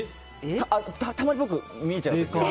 たまに僕、見えちゃう時が。